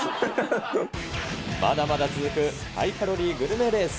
まだまだ続くハイカロリーグルメレース。